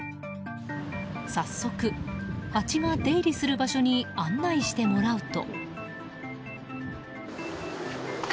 早速、ハチが出入りする場所に案内してもらうと。